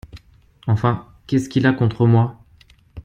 Enfin, qu’est-ce qu’il a contre moi ?